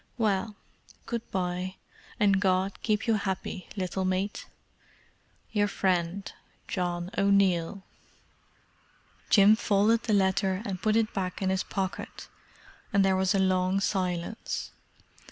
"Well, good bye—and God keep you happy, little mate. "Your friend, "John O'Neill." Jim folded the letter and put it back in his pocket, and there was a long silence.